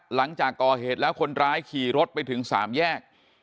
หลังจากก่อเหตุแล้วคนร้ายขี่รถไปถึง๓แยก